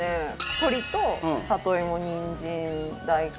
鶏と里芋にんじん大根。